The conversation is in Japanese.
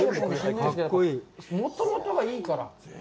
もともとがいいから。